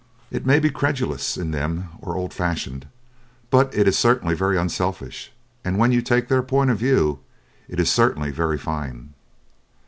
It may be credulous in them or old fashioned; but it is certainly very unselfish, and when you take their point of view it is certainly very fine.